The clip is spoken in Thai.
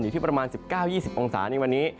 อยู่ที่ประมาณ๑๙๒๐องศาในวันนี้